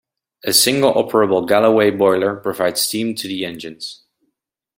A single operable Galloway boiler provides steam to the engines.